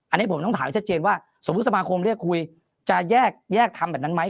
อันนี้ผมต้องถามให้ชัดเจนว่าสมมุติสมาคมเรียกคุยจะแยกทำแบบนั้นไหม